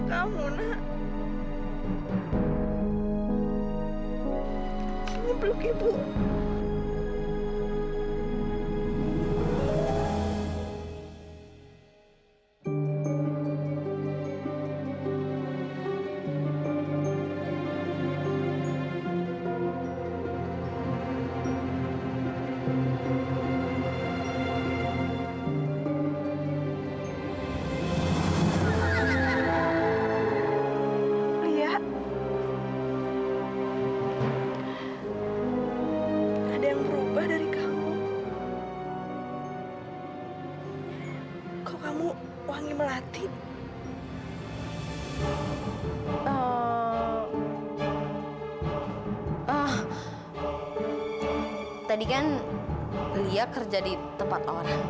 gue gak tau mer